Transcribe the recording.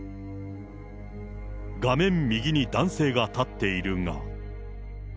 画面右に男性が立っているが。